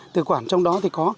từ quản trong đó thì có